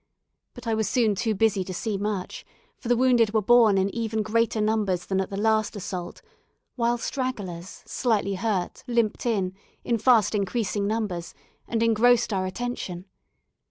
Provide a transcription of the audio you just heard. But I was soon too busy to see much, for the wounded were borne in even in greater numbers than at the last assault; whilst stragglers, slightly hurt, limped in, in fast increasing numbers, and engrossed our attention.